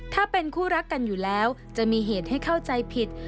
ถ้าเป็นคู่รักกันอยู่แล้วจะมีเหตุให้เข้าใจผิด